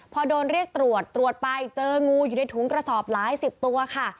พอโดนเรียกตรวจตรวจไปเจองูอยู่ในถุงกระสอบหลายสิบตัวค่ะ